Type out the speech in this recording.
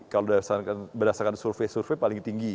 kalau berdasarkan survei survei paling tinggi